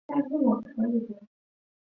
光绪十一年进士。